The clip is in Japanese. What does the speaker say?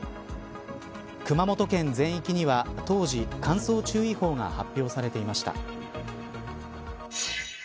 熊本県全域には当時乾燥注意報が発表されていました。